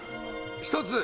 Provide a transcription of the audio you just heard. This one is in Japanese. １つ。